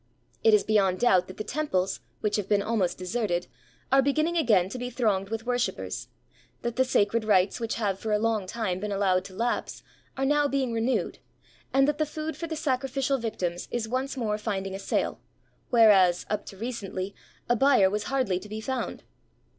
It is beyond doubt that the temples, which have been almost deserted, are beginning again to be thronged with worshipers, that the sacred rites which have for a long time been allowed to lapse are now being renewed, and that the food for the sacrij&cial victims is once more finding a sale, whereas, up to recently, a buyer was hardly to be found.